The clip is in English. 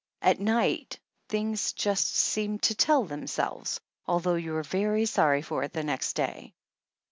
At night things just seem to tell themselves, although you are very sorry for it the next day.